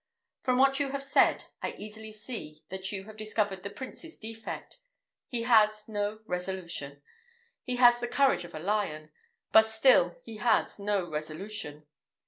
From what you have said, I easily see that you have discovered the Prince's defect: he has no resolution. He has the courage of a lion; but still he has not resolution.